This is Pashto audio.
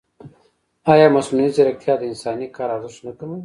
ایا مصنوعي ځیرکتیا د انساني کار ارزښت نه کموي؟